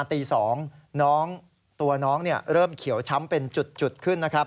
ตอนน้องเริ่มเขียวช้ำเป็นจุดขึ้น